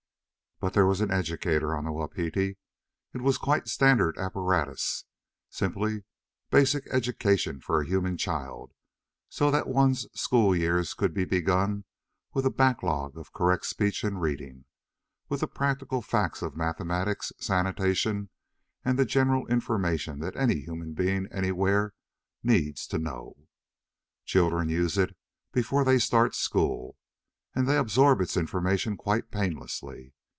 But there was an educator on the Wapiti. It was quite standard apparatus, simply basic education for a human child, so that one's school years could be begun with a backlog of correct speech, and reading, with the practical facts of mathematics, sanitation, and the general information that any human being anywhere needs to know. Children use it before they start school, and they absorb its information quite painlessly.